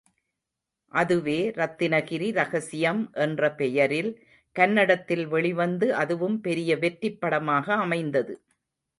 அதுவே ரத்னகிரி ரகசியம் என்ற பெயரில் கன்னடத்தில் வெளிவந்து அதுவும் பெரிய வெற்றிப் படமாக அமைந்தது.